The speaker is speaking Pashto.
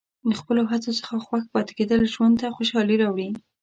د خپلو هڅو څخه خوښ پاتې کېدل ژوند ته خوشحالي راوړي.